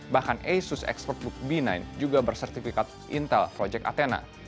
bahkan asus expertbook b sembilan juga bersertifikat intel project athena